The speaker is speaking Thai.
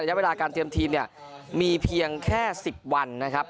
ระยะเวลาการเตรียมทีมเนี่ยมีเพียงแค่๑๐วันนะครับ